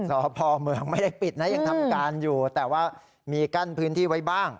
สพเมืองไม่ได้ปิดนะยังทำการอยู่แต่ว่ามีกั้นพื้นที่ไว้บ้าง